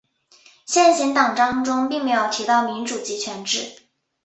现行党章中并没有提到民主集权制。